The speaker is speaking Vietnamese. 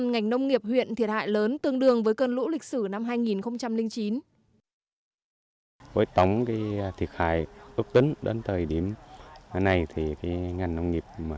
ngành nông nghiệp huyện thiệt hại lớn tương đương với cơn lũ lịch sử năm hai nghìn chín